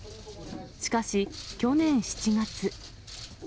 しかし、去年７月。